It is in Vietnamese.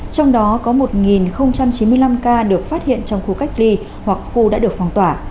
trong đó có một chín mươi năm ca được phát hiện trong khu cách ly hoặc khu đã được phong tỏa